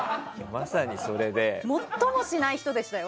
最もしない人でしたよ。